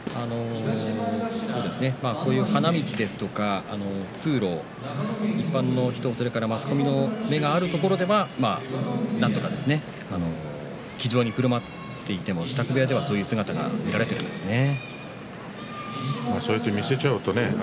こういう花道ですとか通路マスコミとかファンの目があるところでは気丈にふるまっていても支度部屋では、そういう姿が見られているわけですね。